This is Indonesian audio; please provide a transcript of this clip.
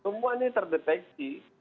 semua ini terdeteksi